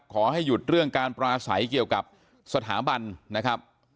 ขอให้หยุดเรื่องการปราศัยเกี่ยวกับสถาบันนะครับ